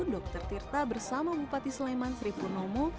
dr tirta bersama bupati sleman sri purnomo